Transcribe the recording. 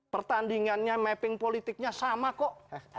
pertandingannya mapping politiknya sama kok